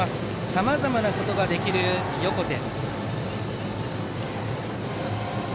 さまざまなことができる横手。